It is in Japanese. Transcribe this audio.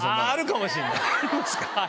あるかもしんない。